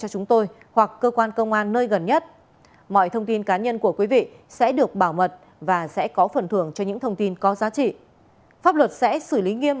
xin kính chào tạm biệt và hẹn gặp lại